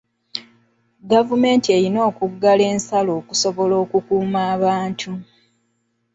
Gavumenti erina okuggala ensalo okusobola okukuuma abantu.